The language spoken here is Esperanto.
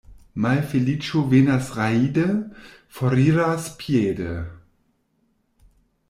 Malfeliĉo venas rajde, foriras piede.